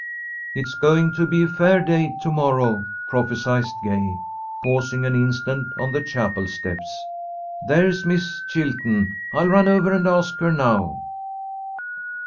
"It's going to be a fair day to morrow," prophesied Gay, pausing an instant on the chapel steps. "There's Miss Chilton. I'll run over and ask her now."